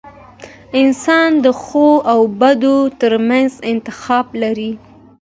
• انسان د ښو او بدو ترمنځ انتخاب لري.